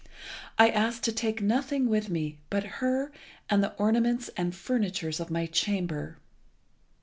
I ask to take nothing with me but her and the ornaments and furniture of my chamber."